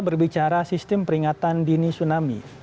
berbicara sistem peringatan dini tsunami